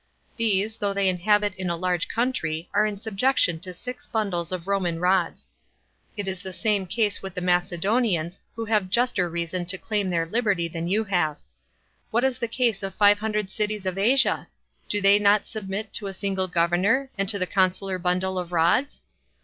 These, though they inhabit in a large country, are in subjection to six bundles of Roman rods. It is the same case with the Macedonians, who have juster reason to claim their liberty than you have. What is the case of five hundred cities of Asia? Do they not submit to a single governor, and to the consular bundle of rods?